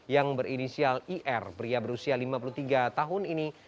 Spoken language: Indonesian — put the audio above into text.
yang berinisial ir pria berusia lima puluh tiga tahun ini